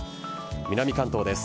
南関東です。